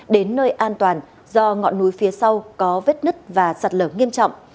đến nơi an toàn do ngọn núi phía sau có vết nứt và sạt lở nghiêm trọng